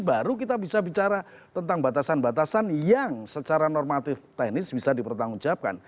baru kita bisa bicara tentang batasan batasan yang secara normatif teknis bisa dipertanggungjawabkan